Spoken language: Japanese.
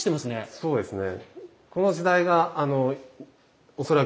そうですね。